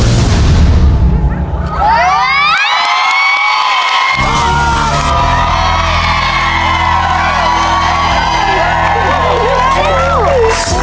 ถูก